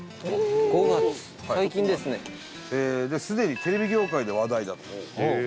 伊達：すでにテレビ業界で話題だと。